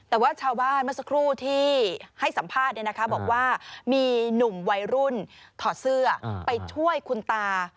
แต่ว่าชาวบ้านเมื่อสักครู่ที่ให้สัมภาษณ์บอกว่ามีหนุ่มวัยรุ่นถอดเสื้อไปช่วยคุณตา